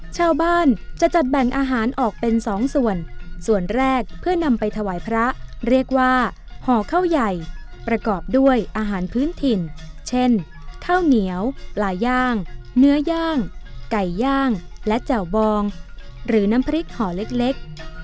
ชาวบ้านจะจัดแบ่งอาหารออกเป็นสองส่วนส่วนแรกเพื่อนำไปถวายพระเรียกว่าห่อข้าวใหญ่ประกอบด้วยอาหารพื้นถิ่นเช่นข้าวเหนียวปลาย่างเนื้อย่างไก่ย่างและแจ่วบองหรือน้ำพริกห่อเล็ก